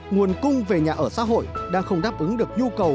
nguồn cung về nhà ở xã hội đang không đáp ứng được nhu cầu